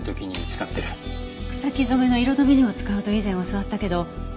草木染の色止めにも使うと以前教わったけど。